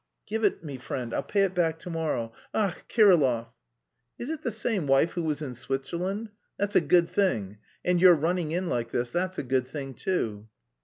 "Give it me, friend, I'll pay it back to morrow! Ach, Kirillov!" "Is it the same wife who was in Switzerland? That's a good thing. And your running in like this, that's a good thing too."